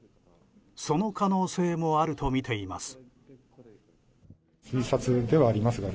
その可能性もあるとみています。